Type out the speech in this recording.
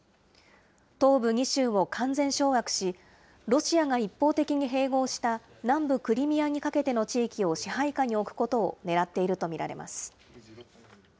東部２州を完全掌握し、ロシアが一方的に併合した南部クリミアにかけての地域を支配下に置くことをねらっていると見られます。